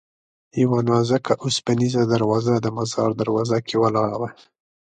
یوه نازکه اوسپنیزه دروازه د مزار دروازه کې ولاړه وه.